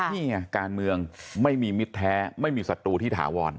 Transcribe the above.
นี่ไงการเมืองไม่มีมิตรแท้ไม่มีศัตรูที่ถาวร